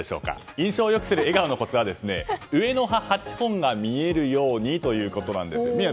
印象よくする笑顔のコツは上の歯８本が見えるようにということなんです。